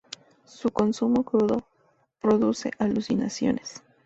Su consumo crudo produce alucinaciones.